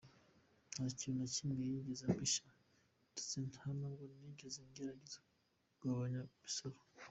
Nta kintu na kimwe nigeze mpisha, ndetse nta n’ubwo nigeze ngerageza kugabanya imisoro.